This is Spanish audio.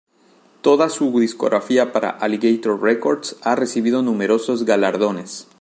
Toda su discografía para Alligator Records ha recibido numerosos galardones.